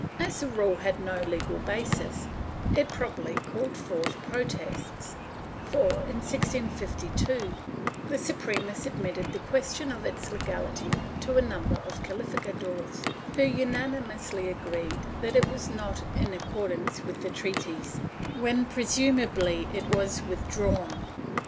^ As the rule had no legal basis, it probably called forth protests for, in 1652, the Suprema submitted the question of its legality to a number of cahficadores, who unanimously agreed that it was not in accordance with the treaties, when pre sumably it was withdrawn.